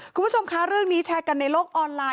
คุณผู้ชมคะเรื่องนี้แชร์กันในโลกออนไลน์